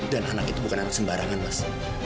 dan anak itu bukan anak sembarangan mas